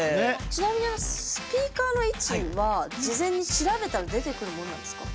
ちなみにあのスピーカーの位置は事前に調べたら出てくるもんなんですか。